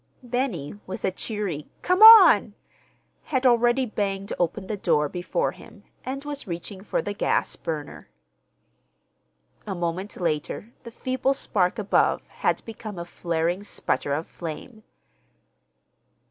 Benny, with a cheery "Come on!" had already banged open the door before him, and was reaching for the gas burner. A moment later the feeble spark above had become a flaring sputter of flame.